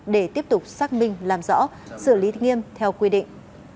để tiếp tục xác minh làm rõ xử lý nghiêm theo quy định